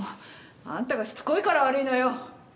あんたがしつこいから悪いのよ。